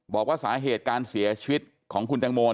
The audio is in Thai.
บอกว่าสาเหตุการเสียชีวิตของคุณแตงโม